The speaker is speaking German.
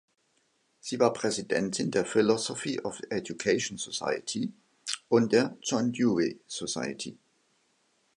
Sie war Präsidentin der "Philosophy of Education Society" und der "John Dewey Society".